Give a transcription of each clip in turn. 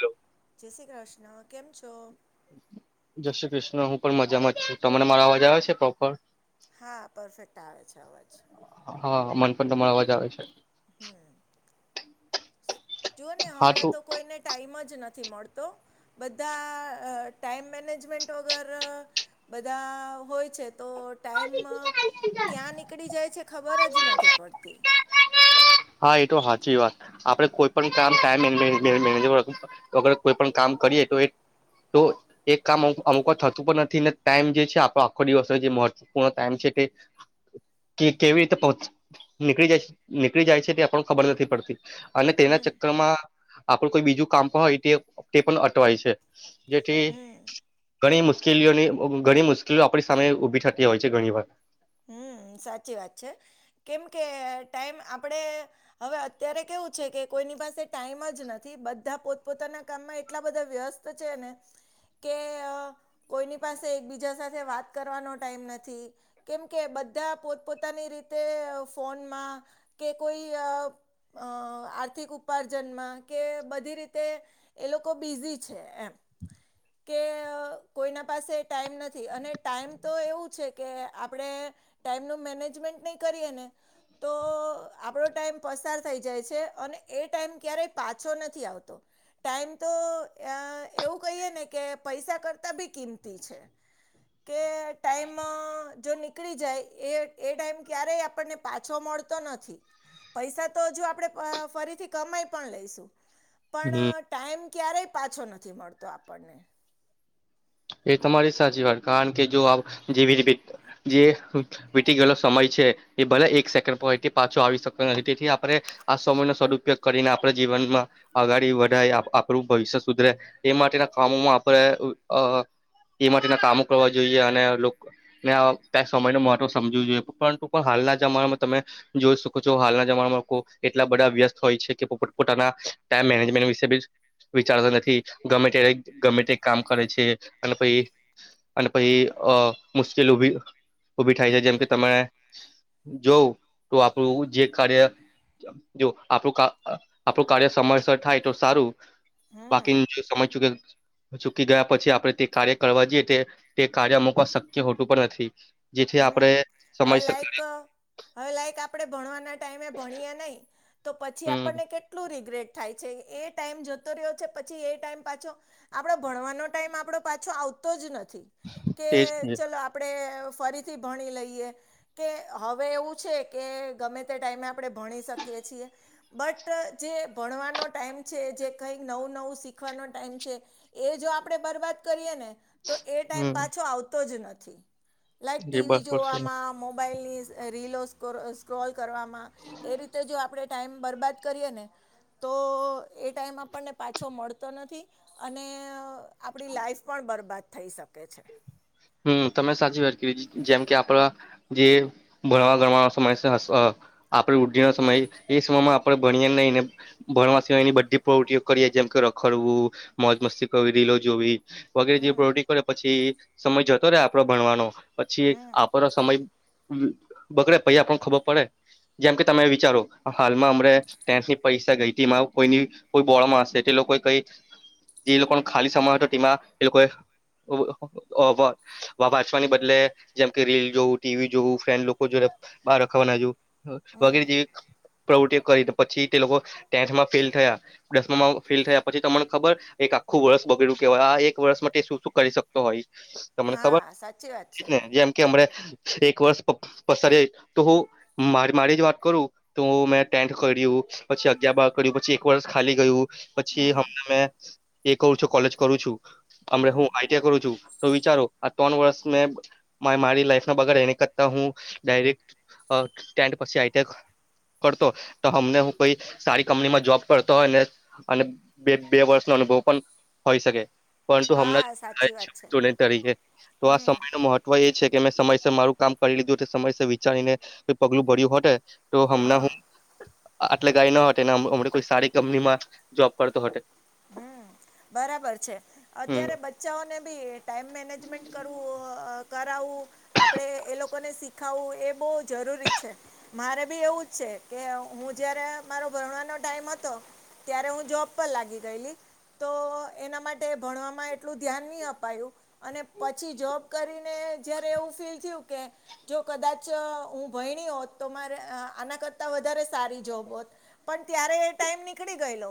Hello. જય શ્રી કૃષ્ના કેમ છો જય શ્રી કૃષ્ણ હું પણ મજામાં જ છું તમને મારો અવાજ આવે છે, પ્રોપર હા પરફેક્ટ આવે છે, અવાજ હા મન પણ તમારો અવાજ આવે છે. હમ જો ને હમણાં તો કોઈને ટાઈમ જ નથી મળતો બધા ટાઈમ મેનેજમેન્ટ વગર બધા હોય છે, તો ટાઈમ ક્યાં નીકળી જાય છે, ખબર જ નથી પડતી હા એ તો હાચી વાત આપડે કોઈ પણ કામ [unintelligible] અગર કોઈ પણ કામ કરીએ તો એ તો એક કામ અમુ અમુક થતું પણ નથી ટાઈમ જે છે, આપો આખો દિવસ જે મ પટાઈમ છે કે કેવી રીતે પહ નીકળી જાય છે, ની કળી જાય છે, તે આપણને ખબર નથી પડતી અને તેના હમ ચકરમાં આપણું કોઈ બીજું કામ પણ હોય તે તે પણ અટવાય છે, જેથી હમ ઘણી મુ શ્કેલીઓની ઘણી મુશ્કેલીઓ આપણી સામે ઉભી થતી હોય છે, ઘણી વાર હમ સાચી વાત છે, કેમ કે ટાઈમ આપણે હવે અત્યારે કેવું છે, કે કોઈની પાસે ટાઈમ જ નથી બધા પોતપોતાના કામમાં એટલા બધા વ્યસ ત છે, ને કે અ કોઈની પાસે એકબીજા સાથે વાત કરવાનો ટાઈમ નથી કેમ કે બધા પોત પોતાની રીતે ફોનમાં કે કોઈ અ આર્થિક ઉપાર્જનમાં કે બધી રીતે એ લોકો બીઝી છે, એમ કે કોઈના પાસે ટાઈમ નથી અને ટાઈમ તો એવું છે, કે આપણે ટાઈમનું મેનેજમેન્ટ નહીં કરીએ ને તો આપણો ટાઈમ પસાર થઈ જાય છે, અને એ ટાઈમ ક્યારેય પાછો નથી આવતો ટાઈમ તો આ એવું કહીએ ને કે પૈસા કરતાં બી કિંમતી છે. કે ટાઈમ જો નીકળી જાય એ એ ટાઈમ ક્યારેય આપણને પાછો મળતો નથી પૈસા તો હજુ આપણે ફરીથી કમાઈ પણ લઈશું હમ પણ ટાઈમ ક્યારેય પાછો નથી મળતો આપણને એ તમારી સાચી વાત કારણ કે જો જેવી જે વીતી ગયેલો સમય છે, એ ભલે એક સેકન્ડથી પાછો આવી શકતો નથી તેથી આપણે આ સમયનો સદુપયોગ કરીને આપણે જીવનમાં આગાડી વધાય આ આપણું ભવિષ્ય સુધરે એ માટેના કામોમાં આપણે અ એ માટેના કામો કરવા જોઈએ અને લો [unintelligible] સમયનું મહત્વ સમજુ જોઈએ પરંતુ પણ હાલના જમાનામાં તમે જોઈ શકો છો હાલના જમાનામાં કોક એટલા બધા વ્યસ્ત હોય છે, કે પોપટ પોતાના ટાઈમ મેનેજમેન્ટ વિશે બી વિચારતા નથી ગમે ત્યારે ગમે તે કામ કરે છે, અને પહી અને પહી અ મુશ્કિલ ઉભી ઉભી થાય છે, જેમ કે તમે જોઉં તો આપણું જે કાર્ય જો આપણું કા અ આપણું કાર્ય સમયસર થાય તો સારું હમ્મ. બાકી જે સમય [unintelligible] ગયા પછી આપડે તે કાર્ય કરવા જઈએ તે તે કાર્ય અમુકવા શક્ય હોતું પણ નથી જેથી આપણે હમ્મ સમય હવે શક લાઈક હવે લાઈક આપણેે ભણવાના ટાઈમે ભણીએ નઈ તો પછી હમ આપણને કેટલું રીગ્રેટ થાય છે, એ ટાઈમ જતો રહ્યો છે, પછી એ ટાઈમ પાછો આપણો ભણવાનો ટાઈમ આપણો પાછો આવતો જ નથી કે તેજ ને ચલો આપણેે ફરીથી ભણી લઈએ કે હવે એવું છે, કે ગમે તે ટાઈમે આપણે ભણી શકીએ છીએ. બટ જે ભણવાનો ટાઈમ છે, જે કંઈક નવું નવું શીખવાનો ટાઈમ છે. એ જો આપણે બરબાદ કરીએ ને તો એ ટાઈમ હમ પાછો આવતો જ નથી. લાઈક એ ટીવી બરાબર છે. જોવામાં મોબાઈલ ની રીલો [unintelligible] સ્ક્રોલ કરવામાં એ રીતે જો આપણે ટાઈમ બરબાદ કરીએ ને તો એ ટાઈમ આપણને પાછો મળતો નથી અને આપણી લાઈફ પણ બરબાદ થઈ શકે છે. હમ્મ તમે સાચી વાત કરી જેમ કે આપડા જે ભણવા ગણવા સમય [unintelligible] આપણે [unintelligible] સમય એ એ સમયમાં આપણ ભણીએ નહીને ભણવા સિવાયની બધી પ્રવૃત્તિઓ કરીએ જેમ કે રખડવું મોજ મસ્તી કરવી રીલો જોવી. વગેરે જે હમ પ્રવૃત્તિ કરે પછી સમય જતો રહેે આપડો ભણવાનો. પછી હમ આપણો સમય [unintelligible] બગડે પછી આપણ ખબર પડે. જેમ કે તમે વિચારો હાલમાં અમણે ટેન્થની પરીક્ષા ગઈ તી [unintelligible] કોઈની કોઈ બોળમાં હશે તે લોકો એ કઈ જે લોકોનો ખાલી સમય હતો તેમાં તે એ લોકો અ વ વા વાંચચવાને બદલે જેમકે રીલ જોવું ટીવી જોવું ફ્રેન્ડ લોકો જોડે બહાર રખવા ના જોવુ. [unintelligible] વગેરે હમ જે પ્રવૃતિઓ કરી પછી તે લોકો ટેન્થમાં ફેલ થયા. દસમામાં ફેલ થયા પછી તમન ખબર એક આખું વર્ષ બગડેલું કેવાય એક વર્ષ મા તે શું શું કરી શકતો હોય. તમને હા ખબર સાચી વાત છે [unintelligible] જેમ કે હમણે એક વર્ષ પ પસારે તો હું મારે મારી જ વાત કરું તો મેં ટેન્ટ કર્યું પછી અગા બાર કર્યું પછી એક વરષ ખાલી ગયું હમ પછીમને એ કરું છું કોલેજ કરું છું અમ હમ હું આઈ ટી કરું છું. તો વિચારો આ ત્રણ વર્ષ મે મારી લાઈફ ના બગ એને કરતા હું ડાયરેક્ સ્ટેન્ડ પછી આઈ ત પડતો હમને હું કઈ સારી કંપનીમાં જોબ પડતો હોય ને અને બે બે વર્ષ નો અનુભવ પણ હોય શકે પરંતુ હા હમણાં સાચી વાત છે જ તરીકે તો આ હમ સમય ન મહત્વ એ છે કે મેં સમયસર મારું કામ કરી લીધું છે સમયસર વિચારીને [unintelligible] પગલું ભર્યું હોતે તો હમણાં હા હું આટલે [unintelligible] હમણે કોઈ સારી કંપનીમાં જોબ કરતો હતે. હમ્મ બરાબર છે હમ અત્યારે બચ્ચાઓને બી ટાઈમ મેનેજમેન્ટ કરુ અ અ કરાવવું આપણે એ લોકોને શીખાવવું એ બોહ જરૂરી છે. મારે બી એવું જ છે કે હું જયારે મારો ભણવાનો ટાઈમ હતો. ત્યારે હું જોબ પર લાગી. ગયેલી તો એના માટે ભણવામાં એટલું ધ્યાન ની અપાયું. અને પછી જોબ કરીને જયારે એવું ફીલ થયું કે જો કદાચ હું ભયણી હોત તો મારે આ આના કરતા વધારે સારી જોબ હોત. પણ ત્યારે એ ટાઈમ નીકળી ગયેલો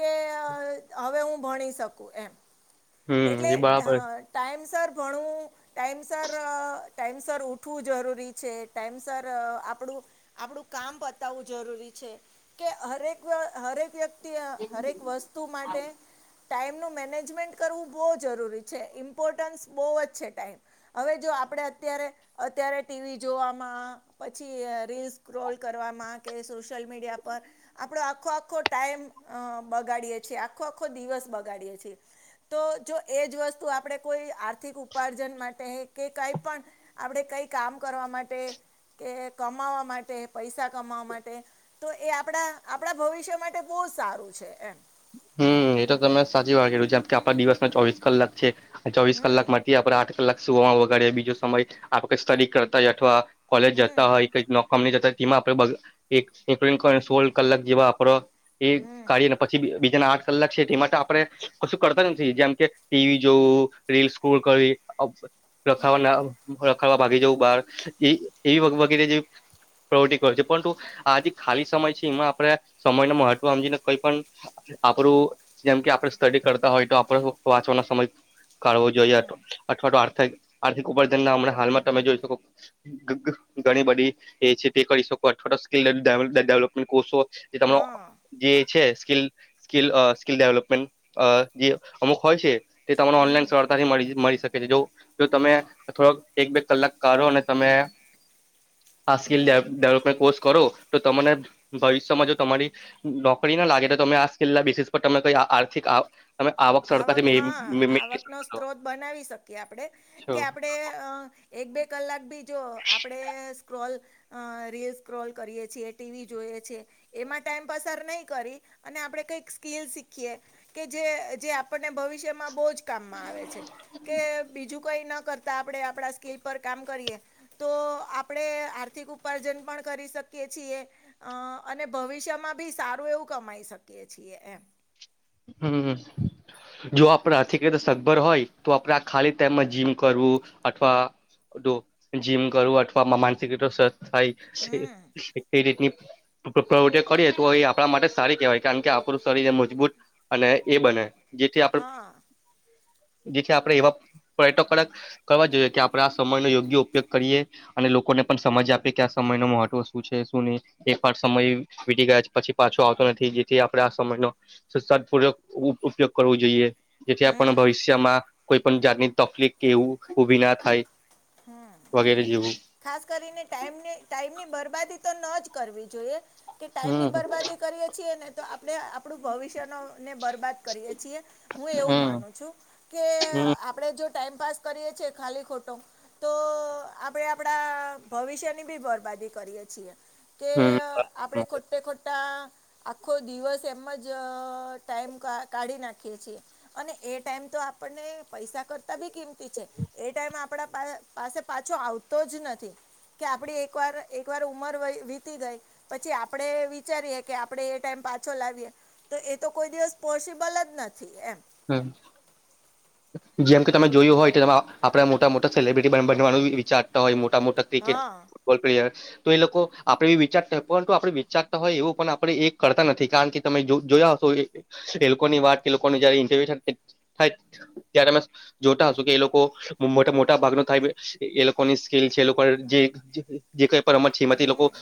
કે હવે હું ભણી શકું એમ હમ એટલે એ હ બરાબર ટાઈમ સર ઘણું ટાઈમ સર ટાઈમ સર ઉઠવું જરૂરી છે ટાઈમ સર આપણું આપણું કામ બતાવવું જરૂરી છે કે હરેક હરેક વ્યક્ત તિ હરેક વસ્તુ માટે ટાઈમનું મેૅનેજમેન્ટ કરવું બહુ જરૂરી છે ઇમ્પોર્ટન્સ બહુ જ છે ટાઈમ હવે જો આપણેે અત્યારે અત્યારે ટીવી જોવામાં પછી રીલ્સ ક્રોલ કરવામાં કે સોશિયલ મીડિયા પર આપડો આખો આખો ટાઈમ બગાડીએ છીએ આખો આખો દિવસ બગાડીએ છીએ તો જો એ જ વસ્તુ આપણે કોઈ આર્થિક ઉપાર્જન માટે કે કાંઈ પણ આપણે કઈ કામ કરવા માટે કે કમાવા માટે પૈસા કમાવા માટે તો એ આપણા આપણા ભવિષ્ય માટે બહ જ સારું છે એમ હમ્મ એ તો તમે સાચી વાત કર જેમ કે આપણા દિવસમાં ચોવીસ કલાક છે. ચોવીસ કલાક હમ માંથી આપડણે આઠ કલાક સુ વગરે બીજો સમય આપ સ્ટડી કરતા હો અથવા કોલેજ હમ જતા હોય નોકમ જતા હોય તેમાં આપે સોળ કલાક જેવા આપડૉ એ હમ કાઢીને પછી બીજાના આઠ કલાક છે તે માટે આપણે કશું કરતા જ નથી નથી જેમ કે ટીવી જોવું રીલસ કરી રખાવા હમ ના રખાડવા ભાગી જવું બાર એ એવી વગેરે જે પ્રવૃતિ કર છે પરંતુ આજે ખાલી સમય છે એમાં આપડે સમય ન મહત્વ આમજીને કઈ પણ આપડું જેમ કે આપડ સ્ટડી કરતા હોય તો આપડ વાંચવાનો સમય કાવો જોઈએ હમ અથવા તો આ આર્થિક ઉપાન ના હાલમાં તમે જોઈ શકો ઘણી બધી એ છે તે કરી શકોો સ્કીલ ડેવલપમેન્ટ કોસો જે તમારો હા જે છે સ્કીલ સ્કિલ સ્કિલ ડેવલપમેન્ટ જે અમુક હોય છે તે તમને ઓનલાઈન હમ સરળતાથી મળ મળી શકે છે જો જો તમે થોડોક એક બે કલાક કાઢો અને તમે હમ આ કો કરો તો તને ભવિષ્યમાં જો તમારી નોકરી ના લાગે તો તમે આ છેલ્લા વિશેષ પર તમે કઈ આર્થિક તમે સરળતાથી આવક હા મેળવી આવકનોો શકો સ્ત્રોત બનાવી શકીએ આપડે છો. કે આપણેે એક બે કલાક બી જો આપડે સ્ક્રોલ અ રીલસ ક્રોલ કરીએ છીએ ટીવી જોઈએ છે. એમાં ટાઈમ પસાર નહી કરી અને આપણે કઈક સ્કીલ શીખીએ કે જે જે આપણને ભવિષ્યમાં બહુ જ કામમાં આવે છે કે બીજું કઈ ન કર આપડે આપણા સ્કેલ પર કામ કરીએ તો આપણે આર્થિક ઉપાર્જન પણ કરી શકીએ છીએ અ અને ભવિષ્યમાં બી સારું એવું કમાઈ શકીએ છીએ એમ હમ જો આપણે આથિક રીતે સગભર હોય તો આપણે આ ખાલી ટાઈમમાં જીમ કરવું અથવા જીમ કરું અથવા માનસિક સ થાય હમ કઈ રીતની પ્રવૃત્તિ કરીએ તો એ આપણા માટે સારી કહેવાય કારણ કે આપણું શરીર એ મજબૂત અને એ બને જેથી આપણે હા જેથી આપણેે એવા પ્રયટન કરક કરવા જોઈએ કે આપણેે આ સમય નો યોગ્ય ઉપયોગ કરીએ અને લોકોને પણ સમજ આપે કે આ સમય ન મહત્વ શું છે શું નહી એક પાઠ સમય વીતી ગયા છે પછી પાછો આવતો નથી જેથી આપડે સમય ન પ ઉપયોગ કરવો જોઈએ જેથી હમ આપણ ભવિષ્યમાં કોઈ પણ જાતની તકલીફ એવું ઉઊભી ના થાય હમ. વગેરે જેવું ખાસ કરીને ટાઈમને ટાઈમની બરબાદી તો ન જ કરવી જોઈએ. કે ટાઈમ ની હમ બરબાદી કરીએ છીએ ને તો આપણે આપણું ભવિષ્ય નને બરબાદ હું એવું હમ માનું છું કે હમ આપણે જો ટાઈમપાસ કરીએ છીએ ખાલી ખોટો તો આપડે આપડા ભવિષ્યની બી બરબાદી કરીએ છીએ. કે હમ આપડે ખોટા ખોટા આખો દિવસ એમ જ ટાઈમ કાઢી નાખીએ છીએ અને એ ટાઈમ તો આપણને પૈસા કરતા બી કિંમતી છે એ ટાઈમ આપડા પાસે પાછો આવતો જ નથી કે આપડી એક વાર એક વાર ઉમર વીતી ગઈ પછી આપડે વિચારીએે કે આપડે એ ટાઈમ પાછો લાવીએ તો એ તો કોઈ દિવસ પોસિબલ જ નથી એમ. હમ. જેમ કે તમે જોયું હોય તો આપણે મોટા મોટા સેલિબ્રિટી બનવાનું વિચારતા હોય મોટા મોટા ક્રિકેટ હા ફુટબલ પ્લેયર તો એ લોકો આપડે બી વિચારતા હોય પરંતુ આપડણે વિચારતા હોય એવું પણ આપણે એક કરતા નથી કારણ કે તમે જોયા હશો એ લોકોની વાત કે લોકોની જારે ઇન્ટરવ્યુ થાય ત્યારે અમે જોતા હશો કે એ લોકો [unintelligible] મોટા ભાગનો થાય એ લોકોની સ્કિલ છે એ લોકો જે જે કઈ પણ રમત છે એમાં તે લોકો હમ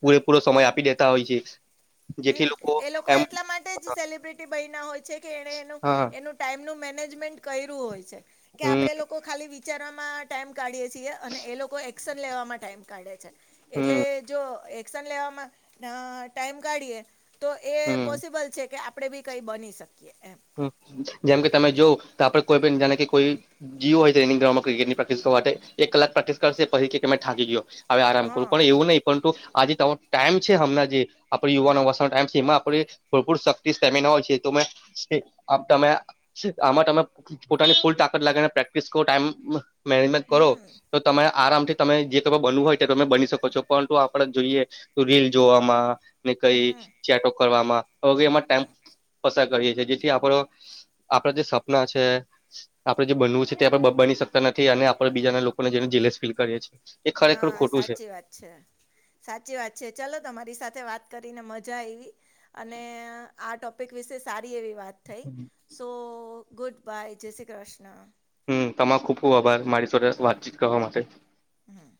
પુરેપુરો સમય આપી દેતા હોય છે જેથી હમ એ લોકો એમ એટલા મા ટેજ સેલિબ્રિટી બાયના હોય છે કે એને એનું હા એનું ટાઈમનું મેનેજમેન્ટ કર્યું હોય છે. કે હમ આપડે લોકો ખાલી વિચારવામાં ટાઈમ કાઢીએ છીએ અને એ લોકો એક્શન લેવામાં ટાઈમ કાઢે છે એટલે હમ જો એ એકશન લેવામાં ટાઈમ કાઢીએ તો એ હમ પોસબલ છે કે આ પડે બી કંઈ બની શકીએ એમ. જેમ કે તમે જોવ તો આપડે કોઈ પણ જાણે કે કોઈ જીવ હોય ગ્રાઉન્ડમાં પ્રેક્ટિસ તો કરશે એક કલાક પ્રેક્ટિસ કર પછ તમે થાકી ગયો. હવે આરામ કરું હા પણ એવું નહી પરંતુ આજે તમારો ટાઈમ છે હમણા જે આપડે યુવાનો વરસાનો ટાઈમ છે એમાં આપડે ભરપૂર શક્તિ સ્ટેમિના હોય છે તો મેં આપ તમે આમાં તમે પોતાની ફૂલ તાકાત લાગેને પ્રેક્ટિસ કરો ટાઈમ મેનેજમેન્ટ કરો હમ તો તમારે આરામથી તમે જે તમે બનવુ હોય તે તમે બની શકો છો પરંતુ આપડે જોઈએ તો રીલ જોવામાં ને કઈ હમ ચેટો કરવામાં તો એમાં ટાઈમ પસાર કરીએ છીએ જે થી આપડો આપડા જે સપના છે આપડે જે બનવું છે તે આપડે બની સકતા નથી અને આપડે બીજાના લોકોને જીલેસ ફીલ કરીએ છીએ. એ ખરેખર હા ખોટું છે. સાચી વાત છે સાચી વાત છે ચાલો તમારી સાથે વાત કરીને મજા આયવી. અને આ ટોપિક વિશે સારી એવી વાત થઈ. સો ગુડ બાય જય શ્રી કૃષ્ણ. હમ તમારો ખુબ ખુબ આભાર મારી સાથે વાતચીત કરવા માટે. હમ.